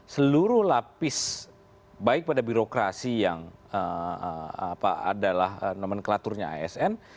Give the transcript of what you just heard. seluruh lapis baik pada birokrasi yang adalah nomenklaturnya asn